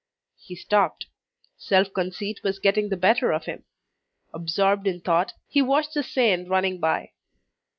He stopped. Self conceit was getting the better of him. Absorbed in thought, he watched the Seine running by.